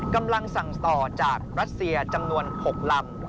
กำลังสั่งต่อจากรัสเซียจำนวน๖ลำ